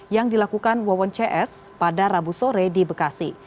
yang dilakukan wawon cs pada rabu sore di bekasi